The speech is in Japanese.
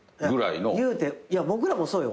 いうて僕らもそうよ。